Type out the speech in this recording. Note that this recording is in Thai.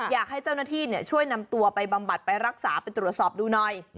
อยากให้เจ้าหน้าที่ช่วยนำตัวไปบำบัดไปรักษาไปตรวจสอบดูหน่อย